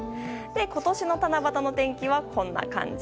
今年の七夕の天気はこんな感じ。